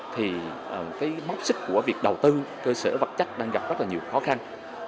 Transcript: thì cái móc xích của việc đầu tư cơ sở vật chất đang gặp rất là nhiều khó khăn